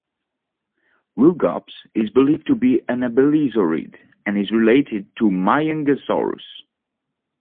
"Rugops" is believed to be an abelisaurid, and is related to "Majungasaurus".